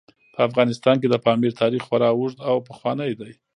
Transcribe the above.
په افغانستان کې د پامیر تاریخ خورا اوږد او پخوانی دی.